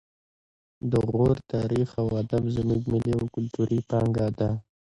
د غور تاریخ او ادب زموږ ملي او کلتوري پانګه ده